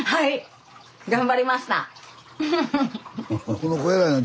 この子偉いねん